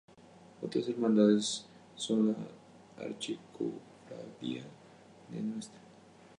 Otras hermandades son la "Archicofradía de Ntra.